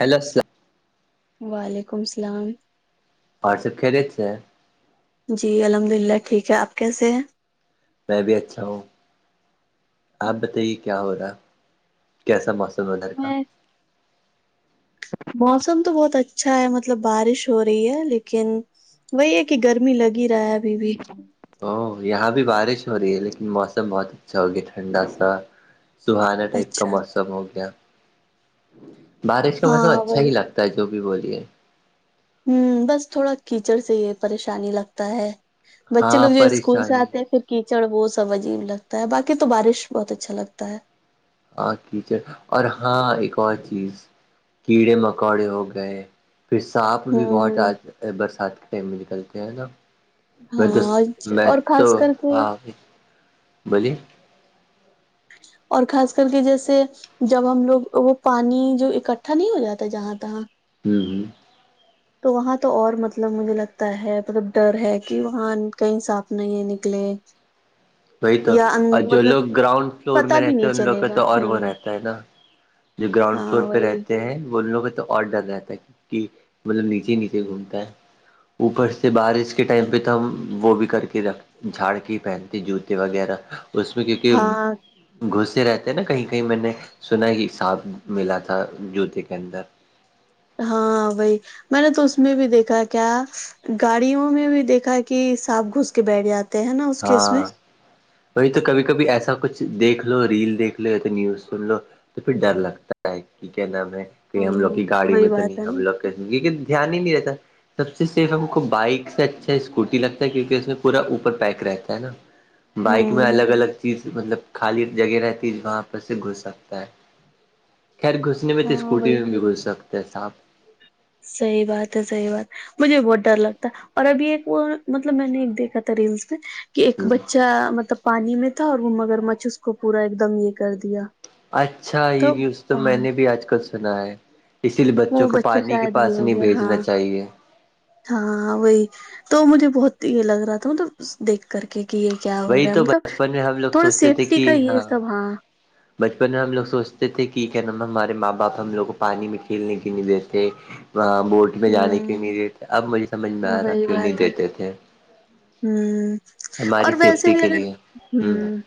hello السلام وعلیکم السلام [unintelligible] اور سب کھیلے سے [unintelligible] جی الحمد للہ ٹھیک ہے آپ کیسے ہیں میں بھی اچھا ہوں آپ بتائیے کیا ہو رہا ہے [unintelligible] کیسا موسم ہے ادھر کا میں موسم تو بہت اچھا ہے مطلب بارش ہو رہی ہے لیکن وہی ہے کہ گرمی لگ ہی رہا ہے ابھی بھی او یہاں بھی بارش ہو رہی ہے لیکن موسم بہت اچھا ہو گیا ٹھنڈا سا سہانا ٹائپ کا اچھا موسم ہو گیا بارش کا موسم ہاں اچھا ہی وہی لگتا ت جو بھی بولیے [unintelligible] ہوں بس تھوڑا کیچڑ سے یہ پریشانی لگتا ہے بچے ہاں لو جو اسکول سے پریشانی آتے ہیں پھر کیچڑ وہ سب عجیب لگتا ہے باقی تو بارش بہت اچھا لگتا ہے ہ کچر اور ہاں ایک اور چیز کیڑے مکوڑے ہو گئے [unintelligible] پھر سانپ بھی بہت ہوں برسات کے ٹائم میں نکلتے ہیں نا [unintelligible] ہاں میں تو میں اور تو خاص کر کے ہاں بولیے اور خاص کر کے جیسے [unintelligible] جب ہم لوگ وہ پانی جو اکٹھا نہیں ہو جاتا جہاں تہاں ہوں ہوں [unintelligible] تو وہاں تو اور مطلب مجھے لگتا ہے مطلب ڈر ہے کہ وہاں کہیں سانپ نہیں ہے نکلے وہی تو یا ان اور جو مطلب لوگ گراؤنڈ فلور پتا میں بھی رہتے نہیں ہیں ان لوگ چلے کا گا تو اور وہ ہوں رہتا ہے نا جو گراؤنڈ فلور ہاں پہ وہی رہتے ہیں بول لوگ کے تو اور ڈر رہتا ہے کہ مطلب نیچے نیچے گھومتا ہے اوپر سے بارش کے ٹائم پہ تو ہم وہ بھی کر کے رکھ جھاڑ کے ہی پہنتے جوتے وغیرہ اس میں ہاں کیونکہ گھسے رہتے نا کہیں کہیں میں نے سنا کہ سانپ ملا تھا جوتے کے اندر ہاں وہی میں نے تو اس میں بھی دیکھا کیا گاڑیوں میں بھی دیکھا ہے کہ سانپ گھس کے بیٹھ جاتا ہاں وہی تو کبھی کبھی ایسا کچھ دیکھ لو ریل دھ لو یا تو نیوز سن لو تو پھر ڈر لگتا ہے کہ کیا نام ہے کہ ہاں ہم لوگ کی گاڑی وہی میں تو بات نہیں ہے ہم نا لوگ کیک دھیان ہی نہیں رہتا سب سے سیف ہم کو بائک سے اچھا اسکوٹی لگتا ہے کیونکہ اس میں پورا اوپر پیک رہتا ہے نا بائک میں ہوں الگ الگ چیز مطلب خالی جگہ رہتی ہے وہاں پر سے گھس سکتا ہے خیر گھس اس میں تو ہاں اسکوٹی وہی میں بھی گھز سکتا ہے سانپ سحی بات ہے سحی بات مجھے بہت ڈر لگتا اور ابھی ایک وہ مطلب میں نے ایک دیکھا تھا ریلس میں کہ ایک ہ بچہ مطلب پانی میں تھا اور وہ مگر مچھ اس کو پورا ایک دم یہ کر دیا اچھا یہ نیوز تو میں نے بھی آج کل سنا ہے اسی لیے بچوں وہ کو بچہ پانی کے شاید یہ پاس ہو نہیں گیا بھیجنا ہاں چاہیے ہاں وہی تو مجھے بہت یہ لگ رہا تھا مطلب دیکھ کر کے کہ یہ کیا ہو وہی رہا ہے تو مطلب بچپن میں ہم لوگ تھوڑا سوچتے تھے سیفٹی کہ کا یہ سب ہاں بچپن میں ہم لوگ سوچتے تھے کہ کیا ن ہمارے ماں باپ ہم لوگ کو پانی میں کھیلنے کے نہیں دیتےے وہاں بوٹ میں جانے کیوں نہیں دیتے اب مجھے سمجھ میں آ رہا وہی کیوں نہیں دیتے تھے ہ ہماری اور ویسے سیفٹی بھی کے اگر لیے ہ ہوں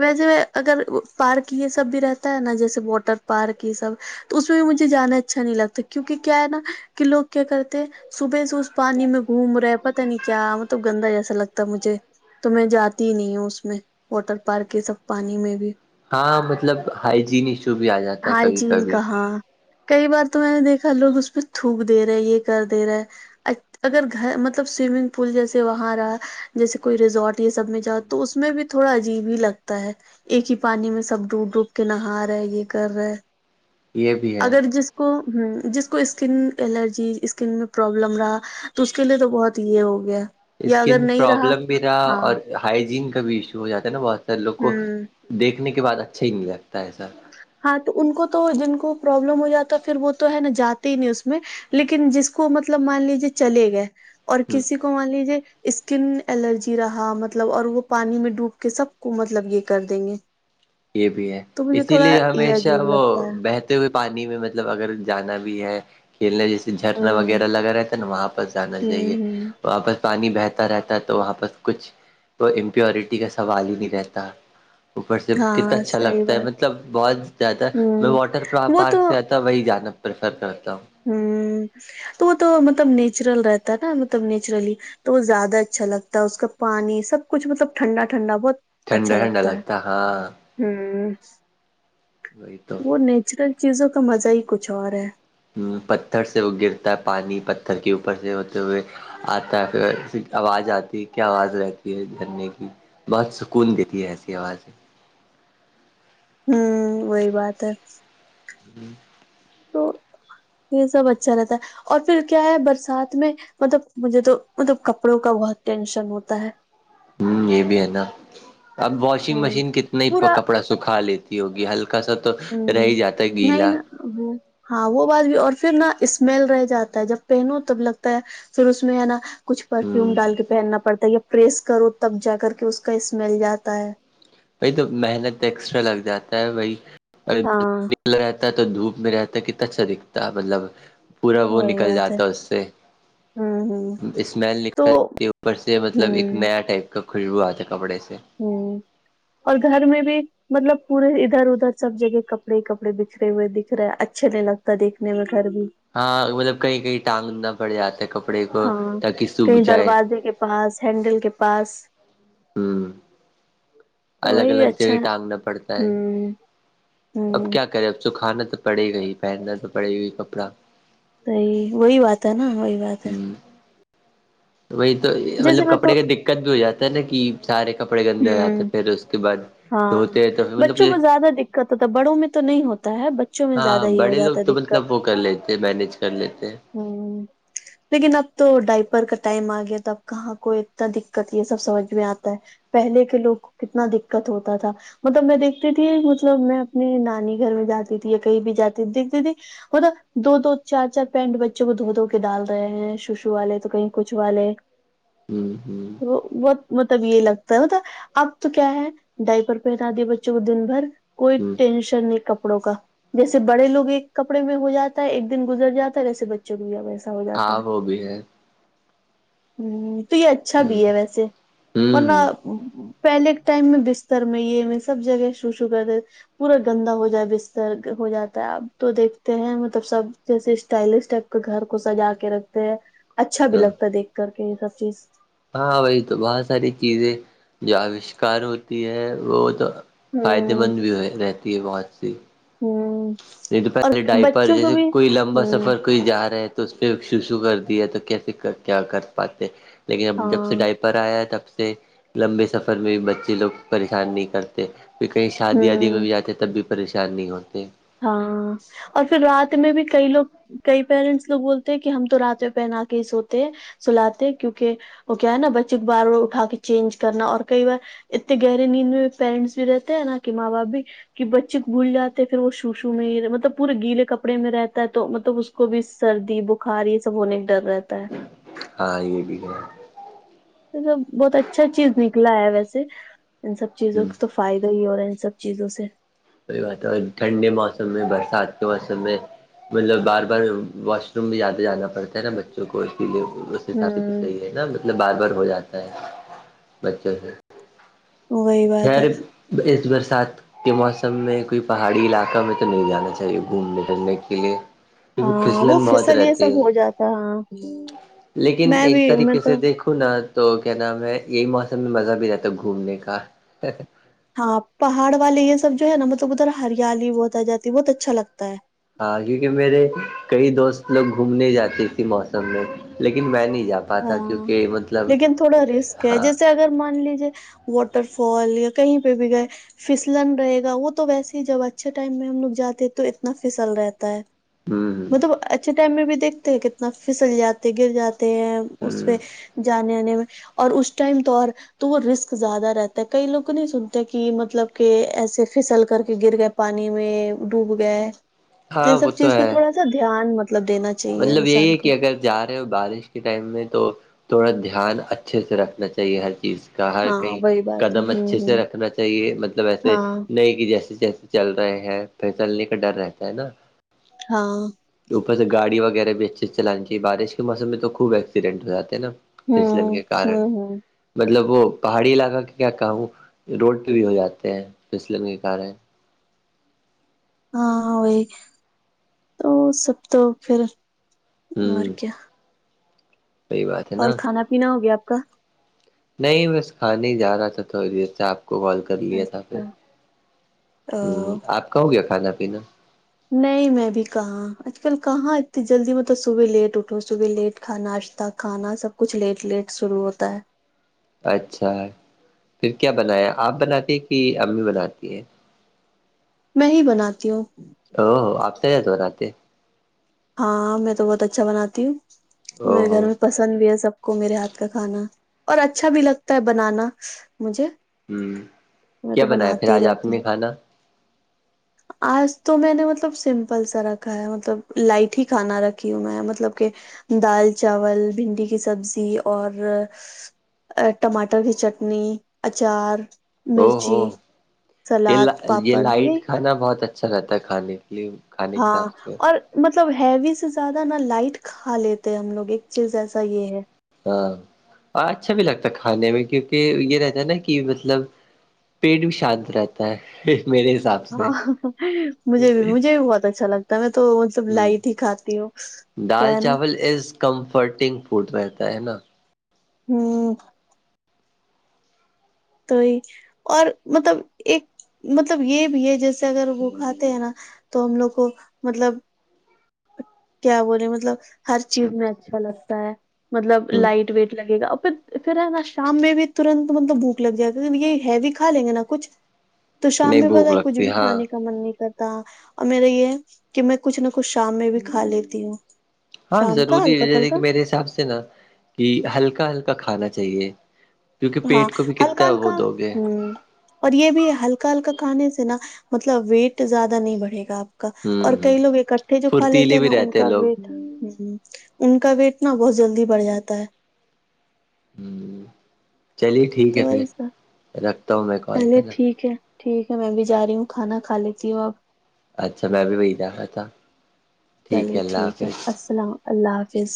ویسے اگر پارک یہ سب بھی رہتا ہے نا جیسے واٹر پارک یہ سب تو اس میں بھی مجھے جانا اچھا نہیں لگتا کیونکہ کیا ہے نا کہ لوگ کیا کرتے ہیں صبح سے اس پانی میں گھوم رہے ہیں پتاہ نہیں کیا مطلب گندا جیسا لگتا ہے مجھے تو میں جاتی ہی نہیں ہوں اس میں واٹر پارک یہ سب پانی میں بھی ہاں مطلب ہائجین ایشو بھی آ جاتا ہے کبھی ہائجین کبھی کا ہاں کئی بار تو میں نے دیکھا لوگ اس پہ تھوک دے رہے یہ کر دے رہے ہے اچ اگر گھر مطلب سوئمنگ پول جیسے وہاں رہا جیسے کوئی ریزورٹ یہ سب میں جاؤ تو اس میں بھی تھوڑا عجیب ہی لگتا ہے ایک ہی پانی میں سب ڈوب ڈوب کے نہا رہا ہے یہ کر رہا یہ بھی ہے اگر جس کو ہ جس کو اسکن الرجی اسکن میں پروابلم رہا تو اس کے لیے تو بہت یہ ہو گیا یا اگر اسکن نہیں رہا پرابلم بھی رہا ہاں اور ہائجین کا بھی ایشو ہو جاتا ہے نا بہت سارے لوگ کو ہوں دیکھنے کے بعد اچھا ہی نہیں لگتا ہے سر ہاں تو ان کو تو جن کو پرابلم ہو جاتا ہے پھر وہ تو ہے نا جاتے ہی نہیں اس میں لیکن جس کو مطلب مان لیجیے چلے گئے اور ہ کسی کو مان لیجیے اسکن الرجی رہا مطلب اور وہ پانی میں ڈوب کے سب کو مطلب یہ کر دیں گے یہ بھی ہے تو مجھے اسی تھوڑا لیے یہ ہمیشہ عجیب وہ لگتا ہے بہتر ہو پانی میں مطلب اگر جانا بھی ہے کھیلنا جیسے جھرنا ہوں وغیرہ لگا رہتا ہے نا وہاں پ س جانا چاہیے ہوں وہاںپس پانی بہتا رہتا ہے تو وہاں پس کچھ توئی امپیورٹی کا سوال ہی نہیں رہتا اوپر سے کتنا ہاں اچھا صحیح لگتا ہے بات مطلب بہت زیادہ ہے میں ہوں واٹر وہ تو پارک سے ت وہی جانا پریفر کرتا ہوں ہوں تو وہ تو مطلب نیچرل رہتا ہے نا مطلب نیچرلی تو وہ زیادہ اچھا لگتا ہے اس کا پانی سب کچھ مطلب ٹھنڈا ٹھنڈا بہت اچھا ٹھنڈا ٹھنڈا لگتا ہے ہاں ہ وہی تو وہ نیچرل چیزوں کا مزہ ہی کچھ اور ہے پتھر سے وہ گرتا ہے پانی پتھر کے اوپر سے ہوتے ہوئے آتا ہے پھر آواز آتی ہے کیا آواز رہتی ہے دھرنے کی بہت سکون دیتی ہے ایسی آوازیں ہوں وہی بات ہے جی تو یہ سب اچھا رہتا ہے اور پھر کیا ہے برسات میں مطلب مجھے تو مطلب کپڑوں کا بہت ٹینشن ہوتا ہے ہ یہ بھی ہے نا اب واشنگ ہ مشین کتنا ہی پورا کپڑا سکھا لیتی [inaudible] ہوگی ہلکا سا تو ہ رہ ہی جاتا ہے نہیں گیلا نا وہ ہاں وہ بات بھی اور پھر نہا اسمیل رہ جاتا ہے جب پہنو تب لگتا ہے پھر اس میں ہے نا کچھ پرفیوم ہوں ڈال کے پہننا پڑتا ہے یا پریس کرو تب جا کر کے اس کا اسمیل جاتا ہے بی تو محنت ایکسٹرا لگ جاتا ہے ب ہاں رہتا تو دھوپ میں رہتا ہے کتناچھا دکھتا مطلب پورا وہ وہی نکل بات ہے جاتا اس سے ہ ہ اسمیل تو نکل ہے اوپر سے مطلب ایک ہ نیا ٹائپ [inaudible] خشبو آ تھے کپڑے سے ہوں اور گھر میں بھی مطلب پورے ادھر ادھر سب جگہ کپڑے کپڑے بکھرے ہوئے دکھ رہے اچھے نہیں لگتا دیکھنے میں گھر بھی ہاں مطلب کہیں کہیں ٹانگندنا پڑ جاتا ہے کپڑ ہاں کہیں دروازے کے پاس ہینڈل کے پاس ہوں تو الگ وہی الگ اچھا جگہ ٹانگنا پڑتا ہے ہوں اب ہوں کیا کرے اب سکھانا تو پڑے گا پہننا تو پڑے گی کپڑا صحی وہی بات ہے نا وہی بات ہے ہوں وہی تو جیسے مطلب میں تو کپڑے کا دقت بھی ہو جاتا ہے نا کہ سارے کپڑے گندے ہو جاتے ہوں ہیں پھر اس کے بعد ہاں دھوتے ہیں تو پھر مطلب بچوں کو زیادہ بڑوں میں تو نہیں ہوتا ہے ب ہاں بڑے لوگ تو مطلب وہ کر لیتے مینج کر لیتے ہ [inaudible] لیکن اب تو ڈائپر کا ٹائم آ گیا تھا اب کہاں کوئی اتنا دقت یہ سب سمجھ میں آتا ہے پہلے کے لوگ کو کتنا دقت ہوتا تھا مطلب میں دیکھتی تھی مطلب میں اپنے نانی گھر میں جاتی تھی یا کہیں بھی جاتی تھی دیکھتی تھی ہول دو دو چار چار پینٹ بچوں کو دھو دھو کے ڈال رہے ہیں شوشو والے تو کہیں کچھ والے ہوں ہوں وہت مطلب یہ لگتا ہے [inaudible] ہوتا اب تو کیا ہے ڈائی پرر پہنا دیا بچوں کو دن بھر کوئی ہ ٹینشن نہیں کپڑوں کا جیسے بڑے لوگ ایک کپڑے میں ہو جاتا ہے ایک دن گزر جاتا ہے جیسے بچے چلویا و ایسا ہو جاتا ہاں ہے وہ بھی ہے ہ تو یہ اچھا بھی ہے ویسے ہ ورنہ پہلے کے ٹائم میں بستر میں یہ میں سب جگہ شو شو کرتے تھ پورا گندا ہو جائے بستر ہو جاتا ہے اب تو دیکھتے ہیں مطلب سب جیسے اسٹائلش ٹائپ کے گھر کو سجا کے رکھتے ہیں اچھا ہ بھی ہ لگتا ہے دیکھ کر کے یہ سب چیز ہاں وہی تو بہت ساری چیزیں جو آوشکار ہوتی ہے وہ تو فائدے ہوں مند بھی رہتی ہے بہت سی ہاں [inaudible] نہیں تو پہلے ڈائپر جیسے کوئی لمبا ہوں سفر کوئی جا رہا ہے تو اس پہ شوشو کر دیا تو کیسے کیا کر پاتے لیکنب جب ہاں سے ڈائپر آیا ہے تب سے لمبے سفر میں بھی بچے لوگ پریشان نہیں کرتے پ کہیں شادی وادی میں ہوں بھی جاتے تب بھی پریشانی نہیں ہوتے ہاں اور پھر رات میں بھی کئی لوگ کئی پیرنٹس لوگ بولتے ہیں کہ ہم تو رات میں پہنا کے ہی سوتے سلاتے کیونکہ وہ کیا ہے نا بچے کو بار بار اٹھا کے چینج کرنا اور کئی بار اتنے گہرے نیند میں پیرنٹس بھی رہتے ہیں نا کہ ماں باپ بھی کہ بچے کو بھول جاتے پھر وہ شوشو میں ہی مطلب پورے گیلے کپڑے میں رہتا ہے تو مطلب اس کو بھی سردی ب بخار یہ سب ہونے کا ڈر رہتا ہے ہاں یہ بھی ہے سب بہت اچھا چیز نکلا ہے ویسے ان سب چیزوں ہے تو فائدہ ہی ہو رہا ہے ان سب چیزوں سے وہی بات ہے ٹھنڈے موسم میں برسات کے موسم میں مطلب بار بار واش روم میں جاتے جانا پڑتا ہے نا بچوں کو اسی لیے اس حساب سے تو ہوں صحیح ہے نا مطلب بار بار ہو جاتا ہے بچوں سے وہی بات خیر ہے اس برسات کے موسم میں کوئی پہاڑی علاقہ میں تو نہیں جانا چاہیے گھومنے پھرنے کے لیے کیکہ ہاں کھچلن وہ بہت پھسل یہ رہتی سب ہے ہو جاتا ہاں لیکن میں ایک بھی میں طریقے تو سے دیکھو کناا تو کیا نام ہے یہی موسم میں مزہ بھی رہتا گھومنے کا ہاں پہاڑ والے یہ سب جو ہے نا مطلب ادھر ہریالی بہت آ جاتی ہے بہت اچھا لگتا ہے ہاں کیونکہ میرے کئی دوست لوگ گھومنے جاتے اسی موسم میں لیکن میں نہیں جاا ہاں لیکن تھوڑا رسک ہے ہاں جیسے اگر مان لیجیے واٹر فال یا کہیں پہ بھی گئے پھسلن رہے گا وہ تو ویسے ہی جب اچھے ٹائم میں ہم لوگ جاتے ہیں تو اتنا فھسل رہتا ہے ہوں مطلب اچھے ٹائم میں بھی دیکھتے ہیں کتنا پھسل جاتے گر جاتے ہیں اس ہوں پہ جانے آنے میں اور اس ٹائم تو اور تو وہ رسک زیادہ رہتا ہے کئی لوگ نہیں سنتے کہ مطلب کہ ایسے پھسل کر کے گر گئے پانی میں ڈوب گئے تو یہ ہاں وہ سب چیز پہ ہے تھوڑا سا دھیان م مطلب دینا چاہیے مطلب یہی انسان ہے کو کہ اگر جا رہے ہو بارش کے ٹائم میں تو تھوڑا دھیان اچھے سے رکھنا چاہیے ہر چیز کا ہر ہاں کہیں وہی بات ہے قدم ہوں اچھے سے ہوں رکھنا چاہیے مطلب ایسے ہاں نہیں کہ جیسے جیسے چل رہے ہیں پھر چلنے کا ڈر رہتا ہے نا ہاں اوپر سے گاڑی وغیرہ بھی اچھیے سے چلانی چاہے بارش کے موسم میں تو خوب ایکسیڈنٹ ہو جاتے ہیں نا فسلن ہوں کے کارن ہوں ہوں مطلب وہ پہاڑی علاقہ کے کیا کہ روڈ پہ بھی ہو جاتے ہیں فسلم کے کار ہے ہاں وہی تو سب تو پھر مر ہوں کیا صحی بات ہے اور نا کھانا پینا ہو گیا آپ کا نہیں بس کھانے ہی جا رہا تھا تھوڑی دیر سے آپ کو غ لیا تھا پھر اچھا او ہ آپ کا ہو گیا کھانا پینا نہیں میں بھی کہاں آج کل کہاں اتنی جلدی مطلب صبح لیٹ اٹھو صبح لیٹ کھاشہ کھانا سب کچھ لیٹ لیٹ شروع ہوتا ہے اچھا پھر کیا بنایا آپ بناتی ہیں کہ امی بناتی ہے میں ہی بناتی ہوں او ہو آپ سےت ہو رہاتے ہیں ہاں میں تو بہت اچھا بناتی ہوں او میرے گھر ہو میں پسند بھی ہے سب کو میرے ہاتھ کا کھانا اور اچھا بھی لگتا ہے بنانا مجھے ہوں میں کیا تو بنایا پھر بناتی ہی آج آپ رہتی نے ہوں کھانا آج تو میں نے مطلب سمپل سا رکھا ہے مطلب لائٹ ہی کھانا رکھی ہوں میں مطلب کہ دال چاول بھنڈی کی سبزی اور ٹماٹر کی چٹنی اچار او ہو مرچی یہ سلاد یہ پاپڑ لائٹ میں کھانا بہت اچھا رہتا ہے کھانے کے لیے کھانے کے ہاں حساب سے اور مطلب ہیوی سے زیادہ نا لائٹ کھا لیتے ہم لوگ ایک چیز ایسا یہ ہے ہاں اچھا بھی لگتا کھانے میں کیونکہ یہ رہتا ہے نا کہ مطلب پیٹ بھی شانت رہتا ہے میرے حساب سے ہاں مجھے بھی مجھے بھی بہت اچھا لگتا ہے میں تو سب ہ لائی تھی کھاتی وہ کیا ہے نا [inaudible] کمفرٹنگ فڈ رہتا ہے نا ہوں تو ہی اور مطلب ایک مطلب یہ بھی ہے جیسے اگر وہ کھاتے ہیں نا تو ہم لوگ کو مطلب کیا بولے مطلب ہر چیز میں اچھا لگتا ہے مطلب ہ لائٹ ویٹ لگے گا ا پھر پھر ہے نا شام میں بھی ترنت مطلب بک لگ جائے گا یہ ہیویھا لیں گے نا کچھ تو شام نہیں میں بھوک پتا کچھ لگتی بھی ہاں کھانے کا من نہیں کرتا اور میرے یہ کہ میں کچھ نہ کچھ شام میں بھی کھا لیتی ہوں ہاں شام کا ضروری ہلکا ہے پھلکا میرے حساب سے نا کہ ہلکا ہلکا کھانا چاہیے کیونکہ پیٹ ہاں کو بھی ہلکا کتنا وہ ہلکا دو گے ہوں اور یہ بھی ہلکا ہلکا کھانے سے نا مطلب ویٹ زیادہ نہیں بڑھے گاپ اور ہ کئی لوگ اکٹھے جو کھا لیتے پھرتیلے ہیں بھی نا ان رہتے کا لوگ و تھا ہ ان کا ویٹ نا بہت جلدی بڑھ جاتا ہے ہ چلیے ٹھیک تو ہے پھر وہی سا رکھتا ہوں میں کال چلیے ہے نا ٹھیک ہے ٹھیک ہے میں بھی جا رہی ہوں کھانا کھا لیتی ہوں اب اچھا میں بھی وہی د رہا تھا ٹھیک ہے چلیے اللہ ٹھیک حافظ السلام اللہ حافظ